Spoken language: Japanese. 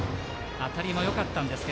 当たりはよかったんですが。